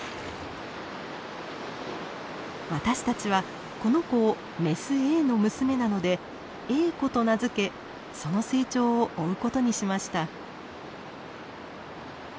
私たちはこの子をメスＡの娘なので「エーコ」と名付けその成長を追うことにしました。